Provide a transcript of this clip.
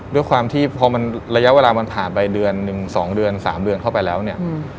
ด้วยความที่พอมันระยะเวลามันผ่านไปเดือนหนึ่ง๒เดือน๓เดือนเข้าไปแล้วเนี่ย